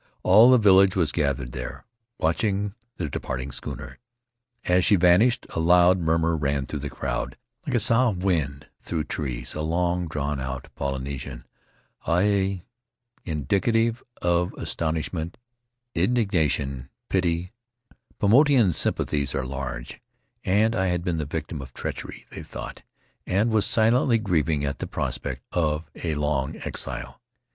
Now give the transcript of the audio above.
All the village was gathered there, watching the departing schooner. As she van ished a loud murmur ran through the crowd, like a sough of wind through trees — a long drawn out Polyne sian, '''Aue! 9 indicative of astonishment, indignation, [ 122 ] Rutiaro pity. Paumotuan sympathies are large, and I had been the victim of treachery, they thought, and was silently grieving at the prospect of a long exile.